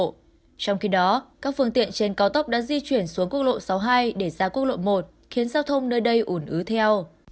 trong khi đó các phương tiện trên cao tốc đã di chuyển xuống quốc lộ sáu mươi hai để ra quốc lộ một khiến giao thông nơi đây ủn ứ theo